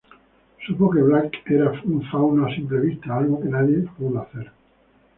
Supo que Blake era un fauno a simple vista, algo que nadie pudo hacer.